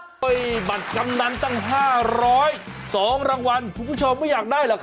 บัตรกำนันตั้ง๕๐๒รางวัลคุณผู้ชมไม่อยากได้หรอกครับ